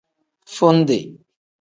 Fundi.